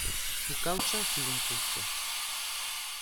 Su causa sigue en curso.